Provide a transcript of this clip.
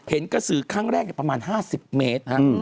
กระสือครั้งแรกประมาณ๕๐เมตร